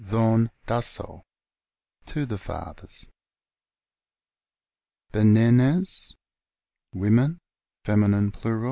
dhd'n dassow, to the fathers. Benenes, women, fern. plur.